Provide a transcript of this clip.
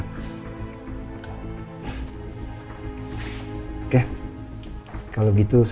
yang kedua pun dirias